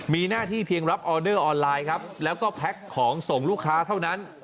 มีหน้าที่เพียงรับออเดอร์ออนไลน์ครับแล้วก็แพ็คของส่งลูกค้าเท่านั้น